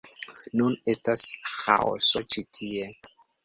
Nun estas ĥaoso ĉi tie